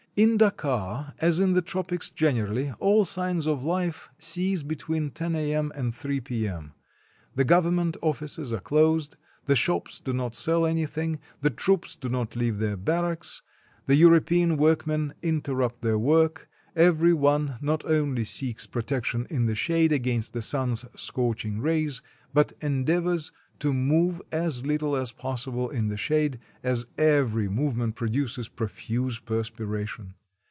In Dakar, as in the tropics generally, all signs of life 232 COALING AT SEA cease between lo a.m. and 3 p.m. The government offices are closed; the shops do not sell anything; the troops do not leave their barracks; the European workmen inter rupt their work; every one not only seeks protection in the shade against the sun's scorching rays, but endeav ors to move as little as possible in the shade, as every movement produces profuse perspiration.